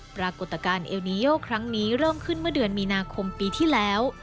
ปรากฏการณ์เอลนิโยครั้งนี้เริ่มขึ้นเมื่อเดือนมีนาคมปีที่แล้ว